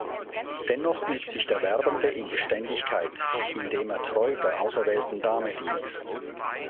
Dennoch übt sich der Werbende in Beständigkeit, indem er treu der auserwählten Dame dient.